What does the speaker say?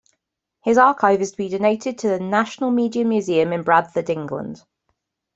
His archive is to be donated to the National Media Museum in Bradford, England.